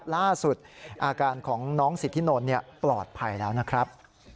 ล่าสุดอาการของน้องสิทธินนท์ปลอดภัยแล้วนะครับ